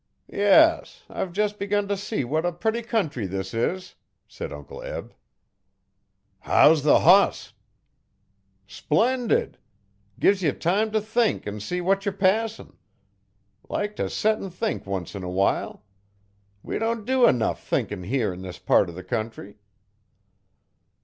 'Yes; I've jes' begun t' see what a putty country this is,' said Uncle Eb. 'How's the boss?' 'Splendid! Gives ye time t' think an' see what yer passin'. Like t' set 'n think once in a while. We don't do enough thinkin' here in this part o' the country.'